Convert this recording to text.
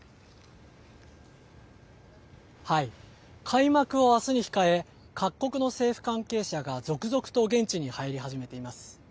開幕を明日に控え各国の政府関係者が続々と現地に入り始めています。